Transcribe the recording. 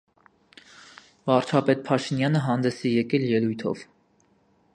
Վարչապետ Փաշինյանը հանդես է եկել ելույթով։